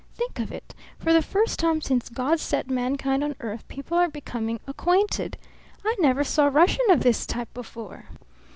Think of it! For the first time since God set mankind on earth peoples are becoming acquainted. I never saw a Russian of this type before.".